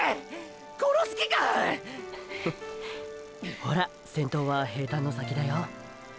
ほら先頭は平坦の先だよ。